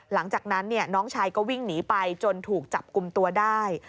หลังจากนั้นน้องชายก็วิ่งหนีไปจนถูกจับกลุ่มตัวได้